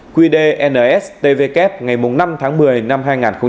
quy đề nstvk ngày năm tháng một mươi năm hai nghìn hai mươi ba